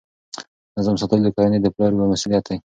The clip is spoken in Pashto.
نظم ساتل د کورنۍ د پلار یوه مسؤلیت ده.